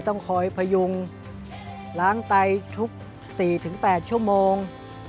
ต้องคอยพยุงล้างไตทุก๔๘ชั่วโมง